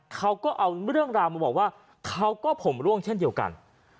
เขาก็เอาเรื่องราวมาบอกว่าเขาก็ผมร่วงเช่นเดียวกัน